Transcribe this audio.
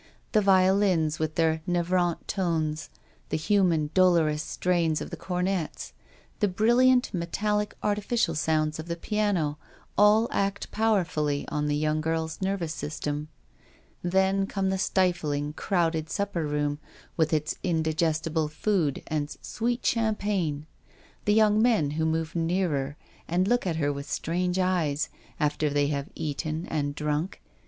The violins with their navrant tones, the human, dolorous strains of the cornets, the brilliant, metallic, artificial sounds of the piano, all act powerfully on the young girl's nervous sys tem. Then comes the stifling crowded sup per room, with its indigestible food and sweet champagne ; the young men who move nearer and look at her with strange eyes, after they have eaten and drunk.